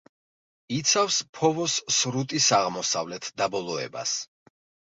იცავს ფოვოს სრუტის აღმოსავლეთ დაბოლოებას.